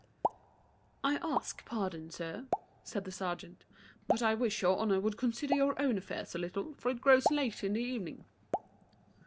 "I ask pardon, sir," says the serjeant; "but I wish your honour would consider your own affairs a little, for it grows late in the evening."